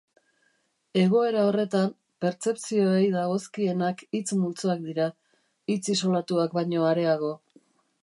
Egoera horretan, pertzepzioei dagozkienak hitz multzoak dira, hitz isolatuak baino areago.